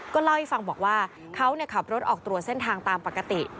เล่าให้ฟังบอกว่าเขาขับรถออกตรวจเส้นทางตามปกติ